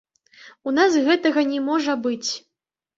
У нас гэтага не можа быць.